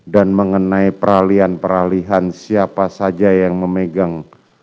dan mengenai peralihan peralihan siapa saja yang memegang